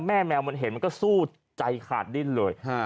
แมวมันเห็นมันก็สู้ใจขาดดิ้นเลย